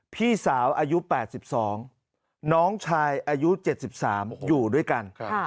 พี่สาวอายุ๘๒น้องชายอายุ๗๓อยู่ด้วยกัน